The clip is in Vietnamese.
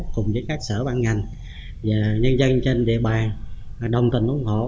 cùng với các sở ban ngành và nhân dân trên địa bàn đồng tình ủng hộ